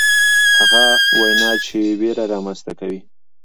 هغه وینا چې ویره رامنځته کوي.